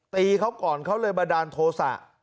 ตีเขาก่อนเขาเลยบันดาลโทษะ